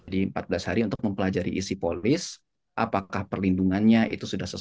di empat belas hari untuk mempelajari isi polis apakah perlindungannya itu sudah sesuai